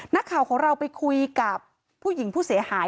นักข่าวของเราไปคุยกับผู้หญิงผู้เสียหาย